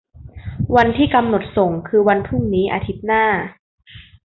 วันที่กำหนดส่งคือวันพรุ่งนี้อาทิตย์หน้า